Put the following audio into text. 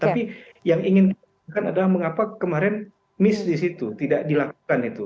tapi yang ingin kita lakukan adalah mengapa kemarin miss di situ tidak dilakukan itu